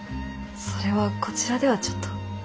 それはこちらではちょっと。